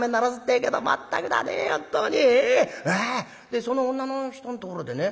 でその女の人んところでね